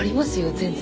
全然。